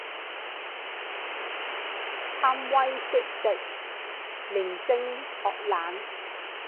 貪威識食，練精學懶